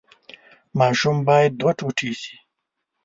ماشوم باید دوه ټوټې شي.